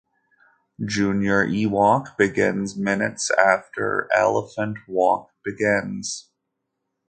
Junior E-Walk begins minutes after Elephant Walk begins.